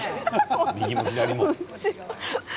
右も左も。